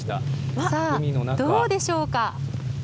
さあ、どうでしょうか？